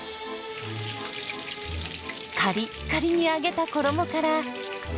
カリッカリに揚げた衣から。